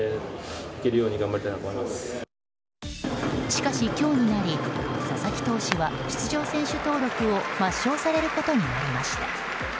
しかし、今日になり佐々木投手は出場選手登録を抹消されることになりました。